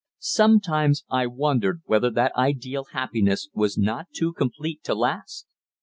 Sometimes I wondered whether that ideal happiness was not too complete to last.